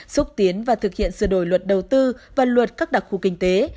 xúc tiến và thực hiện sửa đổi luật đầu tư và luật các đặc khu kinh tế